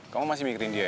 kamu masih mikirin dia ya